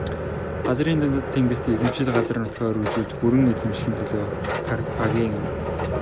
Газрын дундад тэнгист эзэмшил газар нутгаа өргөжүүлж бүрэн эзэмшихийн төлөө Карфаген.